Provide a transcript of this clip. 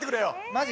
マジ？